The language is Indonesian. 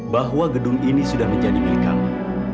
bahwa gedung ini sudah menjadi milik kami